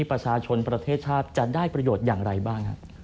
ประชาชนประเทศชาติจะได้ประโยชน์อย่างไรบ้างครับ